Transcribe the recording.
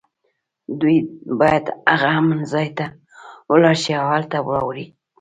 دوی باید هغه امن ځای ته ولاړ شي او هلته واړوي